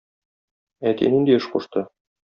Әти нинди эш кушты?